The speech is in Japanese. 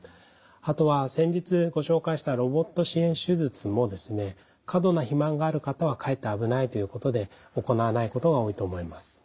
あとは先日ご紹介したロボット支援手術も過度な肥満がある方はかえって危ないということで行わないことが多いと思います。